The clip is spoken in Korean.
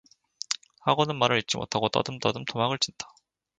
하고는 말을 잇지 못하고 떠듬떠듬 토막을 친다.